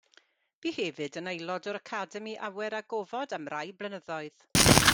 Bu hefyd yn aelod o'r Academi Awyr a Gofod am rai blynyddoedd.